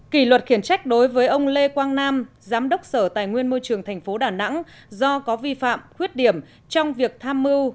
kỷ luật khiển trách đối với ông lê quang nam giám đốc sở tài nguyên môi trường tp đà nẵng do có vi phạm khuyết điểm trong việc tham mưu